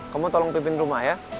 kamu tolong pimpin rumah ya